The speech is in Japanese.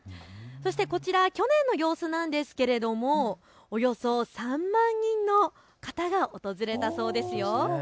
こちら、去年の様子なんですけれどもおよそ３万人の方が訪れたそうですよ。